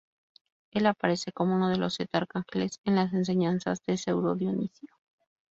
Él aparece como uno de los siete arcángeles en las enseñanzas de Pseudo Dionisio.